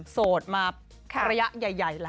โสดมาระยะใหญ่แล้ว